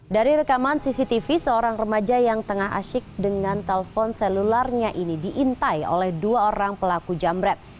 dari rekaman cctv seorang remaja yang tengah asyik dengan telpon selularnya ini diintai oleh dua orang pelaku jambret